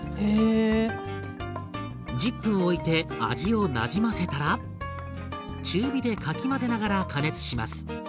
１０分おいて味をなじませたら中火でかき混ぜながら加熱します。